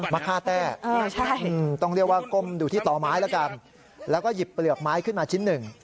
มาฆ่าแต้ต้องเรียกว่าก้มดูที่ต่อไม้แล้วกันแล้วก็หยิบเปลือกไม้ขึ้นมาชิ้นหนึ่ง